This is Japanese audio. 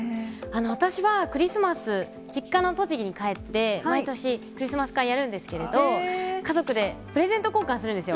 私はクリスマス、実家の栃木に帰って、毎年、クリスマス会やるんですけれども、家族でプレゼント交換するんですよ。